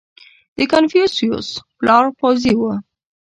• د کنفوسیوس پلار پوځي و.